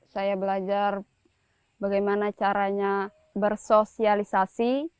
saya belajar bagaimana caranya bersosialisasi